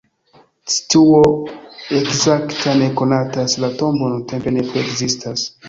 Situo ekzakta ne konatas, la tombo nuntempe ne plu ekzistas.